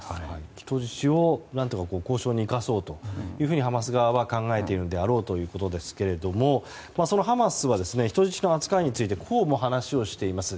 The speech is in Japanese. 人質を何とか交渉に生かそうとハマス側は考えているであろうということですがそのハマスは人質の扱いについてこうも話をしています。